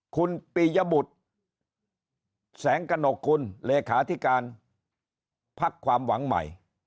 คุณปียบุตรแสงกระหนกกุลเลขาธิการพักความหวังใหม่